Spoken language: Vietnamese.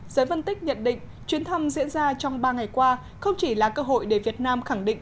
giới phân tích nhận định chuyến thăm diễn ra trong ba ngày qua không chỉ là cơ hội để việt nam khẳng định